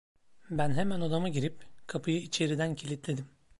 Ben hemen odama girip kapıyı içeriden kilitledim.